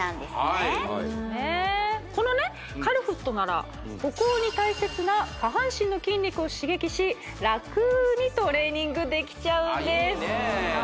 はいはいこのカルフットなら歩行に大切な下半身の筋肉を刺激しラクにトレーニングできちゃうんです